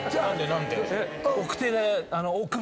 何で？